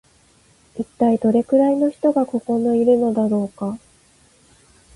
一体どれくらいの人がここのいるのだろうか